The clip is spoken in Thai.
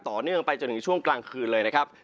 ต่อเนื่องไปจนถึงช่วงกลางคืนเลยนะครับ